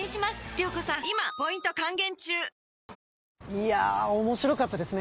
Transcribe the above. いや面白かったですね。